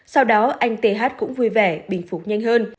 sau đó anh th cũng vui vẻ bình phục nhanh hơn